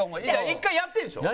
一回やってるんでしょ？